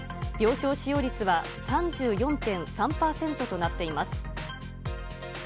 病床使用率は３４．３％となっています。